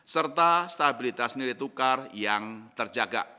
serta stabilitas nilai tukar yang terjaga